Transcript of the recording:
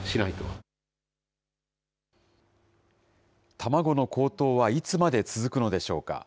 卵の高騰はいつまで続くのでしょうか。